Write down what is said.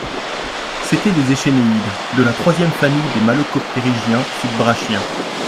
C'étaient des échénéïdes, de la troisième famille des malacoptérygiens subbrachiens.